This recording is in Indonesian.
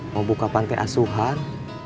mau buka pantai asuhan